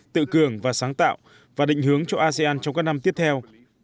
tự cường và sáng tạo và định hướng cho asean trong các năm tiếp theo